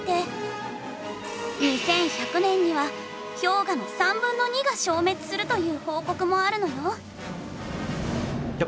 ２１００年には氷河の３分の２が消滅するという報告もあるのよ。